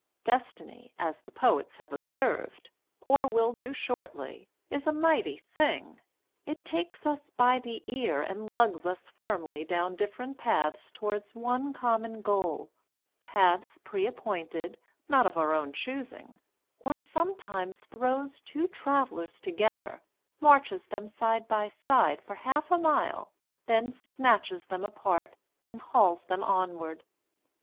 Destiny, as the poets have observed (Or will do shortly) is a mighty thing. It takes us by the ear and lugs us firmly Down different paths towards one common goal, Paths pre appointed, not of our own choosing; Or sometimes throws two travellers together, Marches them side by side for half a mile, Then snatches them apart and hauls them onward.